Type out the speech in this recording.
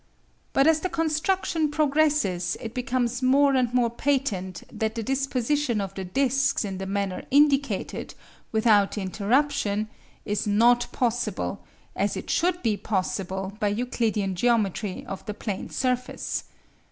But as the construction progresses it becomes more and more patent that the disposition of the discs in the manner indicated, without interruption, is not possible, as it should be possible by Euclidean geometry of the the plane surface.